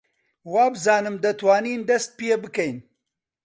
وابزانم دەتوانین دەست پێ بکەین.